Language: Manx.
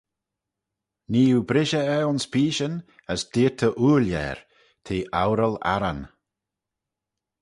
Nee oo brishey eh ayns peeshyn as deayrtey ooil er: te oural-arran.